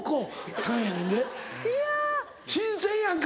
新鮮やんか。